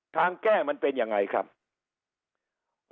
แก้มันเป็นยังไงครับ